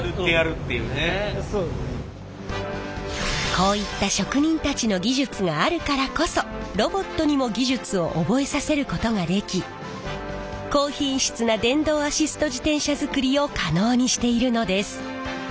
こういった職人たちの技術があるからこそロボットにも技術を覚えさせることができ高品質な電動アシスト自転車づくりを可能にしているのです。